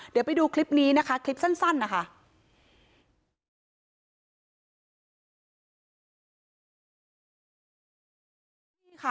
เดี๋ยวไปดูคลิปนี้นะคะคลิปสั้นนะคะ